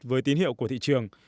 với tín hiệu của thị trường